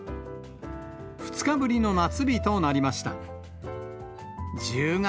２日ぶりの夏日となりました。